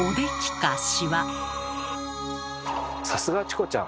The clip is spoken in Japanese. さすがチコちゃん！